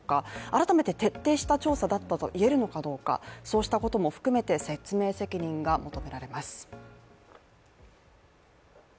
改めて徹底した調査だったと言えるのかどうかそうしたことも含めて説明責任が求められます。